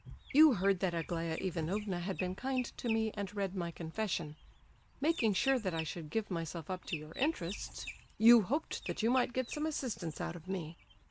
You heard that Aglaya Ivanovna had been kind to me and read my confession. Making sure that I should give myself up to your interests, you hoped that you might get some assistance out of me.